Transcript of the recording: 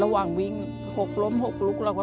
ทำงานชื่อนางหยาดฝนภูมิสุขอายุ๕๔ปี